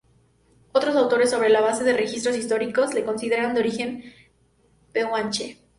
Otros autores, sobre la base de registros históricos, los consideran de origen pehuenche.